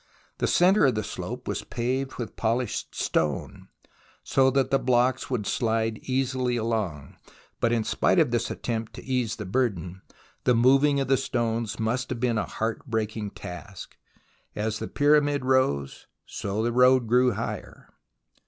The centre of the slope was paved ^vith polished stone, so that the blocks would shde easily along, but in spite of this attempt to ease the burden, the moving of the stones must have been a heart breaking task. As the Pyramid rose, so the road grew higher.